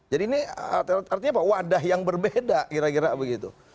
jadi ini artinya apa wadah yang berbeda kira kira begitu